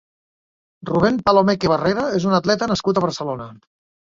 Rubén Palomeque Barrera és un atleta nascut a Barcelona.